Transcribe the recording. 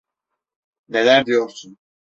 Neler diyorsun?